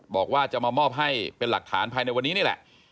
บอกว่าจะมามอบให้เป็นหลักฐานภายในวันนี้นี่แหละ